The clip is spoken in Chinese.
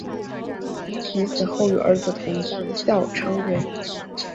宜嫔死后与儿子同葬孝昌园。